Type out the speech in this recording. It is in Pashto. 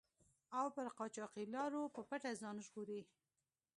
او پر قاچاقي لارو په پټه ځان ژغوري.